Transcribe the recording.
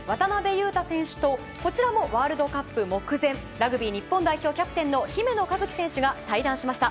雄太選手とこちらもワールドカップ目前ラグビー日本代表キャプテンの姫野和樹選手が対談しました。